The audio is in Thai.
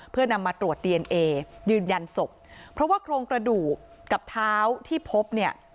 เพื่อนำมาตรวจดีเอนเอยืนยันศพเพราะว่าโครงกระดูกกับเท้าที่พบเนี่ย